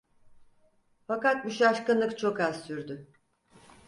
Fakat bu şaşkınlık çok az sürdü.